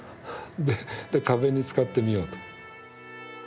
で壁に使ってみようと。